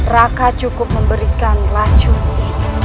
raka cukup memberikan racun itu